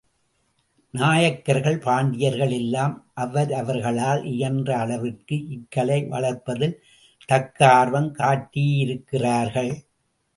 நாயக்கர்கள், பாண்டியர்கள் எல்லாம் அவரவர்களால் இயன்ற அளவிற்கு இக்கலை வளர்ப்பதில் தக்க ஆர்வம் காட்டியிருக்கிறார்கள்.